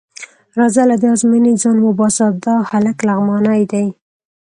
راځه له دې ازموینې ځان وباسه، دا هلک لغمانی دی.